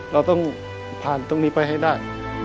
เราต้องผ่านตรงนี้ไปให้ได้